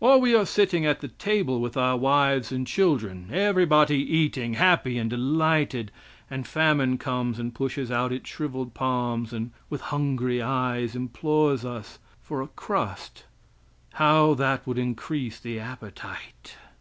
Or we are sitting at the table with our wives and children, everybody eating, happy and delighted, and Famine comes and pushes out its shriveled palms, and, with hungry eyes, implores us for a crust; how that would increase the appetite!